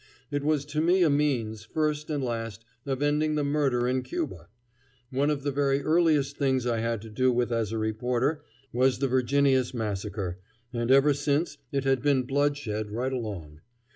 It was to me a means, first and last, of ending the murder in Cuba. One of the very earliest things I had to do with as a reporter was the Virginius massacre, and ever since it had been bloodshed right along.